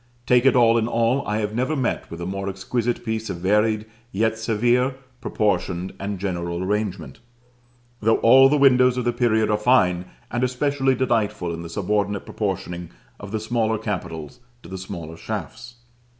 Take it all in all, I have never met with a more exquisite piece of varied, yet severe, proportioned and general arrangement (though all the windows of the period are fine, and especially delightful in the subordinate proportioning of the smaller capitals to the smaller shafts).